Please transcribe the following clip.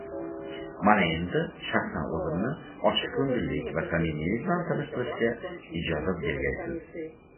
Mana endi, shaxsan o‘zimni ochchiqko‘ngillik va samimiylik bilan tanishtirishga ijozat bergaysiz.